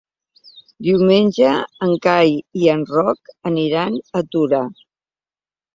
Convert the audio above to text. Diumenge en Cai i en Roc aniran a Torà.